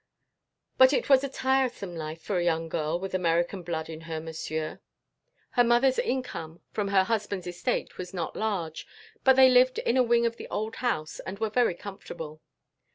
là! "But it was a tiresome life for a young girl with American blood in her, monsieur." Her mother's income from her husband's estate was not large, but they lived in a wing of the old house and were very comfortable.